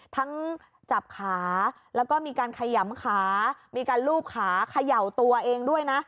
ทั้งจับขาแล้วก็มีการขยำขามีการลูบขาเขย่าตัวเองด้วยนะ